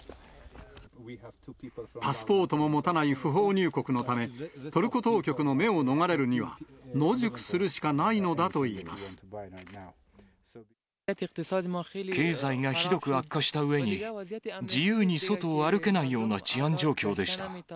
パスポートも持たない不法入国のため、トルコ当局の目を逃れるには、野宿するしかないのだと経済がひどく悪化したうえに、自由に外を歩けないような治安状況でした。